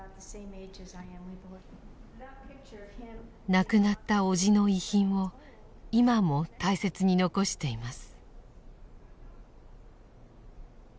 亡くなった伯父の遺品を今も大切に残しています。